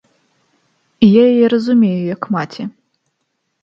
І я яе разумею як маці.